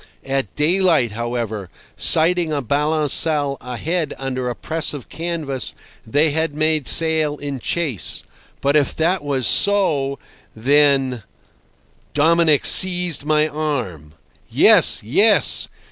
At daylight, however, sighting a balancelle ahead under a press of canvas, they had made sail in chase. But if that was so, then— Dominic seized my arm. "Yes, yes!